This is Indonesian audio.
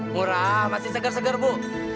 murah masih segar segar bu